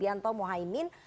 sama dengan prabowo supianto